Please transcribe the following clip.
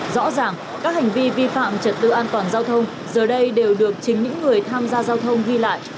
rõ ràng các hành vi vi phạm trật tự an toàn giao thông giờ đây đều được chính những người tham gia giao thông ghi lại